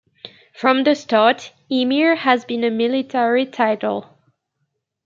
From the start, Emir has been a military title.